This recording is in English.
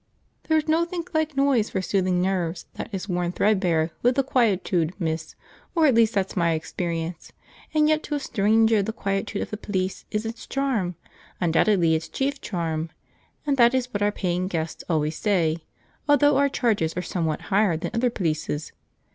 There's nothink like noise for soothing nerves that is worn threadbare with the quietude, miss, or at least that's my experience; and yet to a strynger the quietude of the plyce is its charm, undoubtedly its chief charm; and that is what our paying guests always say, although our charges are somewhat higher than other plyces.